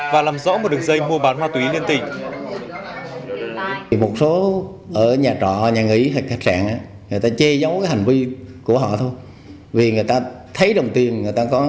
và làm dụng một đèo trò ở phường đông đa